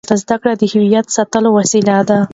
زده کړه د هویت د ساتلو وسیله ده.